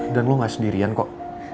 dan lo gak sendirian kok